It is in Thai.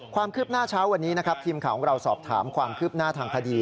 ความคืบหน้าเช้าวันนี้นะครับทีมข่าวของเราสอบถามความคืบหน้าทางคดี